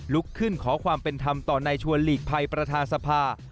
ลุกขึ้นขอความเป็นธรรมต่อนายชวนหลีกภัยประธานสภา